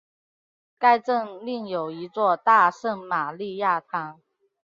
该镇另有一座大圣马利亚堂。